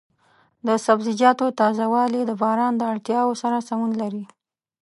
د سبزیجاتو تازه والي د بازار د اړتیاوو سره سمون لري.